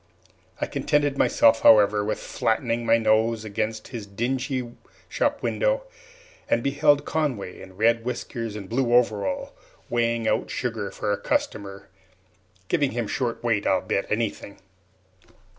I contented myself, however, with flattening my nose against his dingy shop window, and beheld Conway, in red whiskers and blue overalls, weighing out sugar for a customer giving him short weight, I'll bet anything!